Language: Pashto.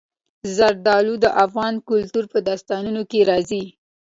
زردالو د افغان کلتور په داستانونو کې راځي.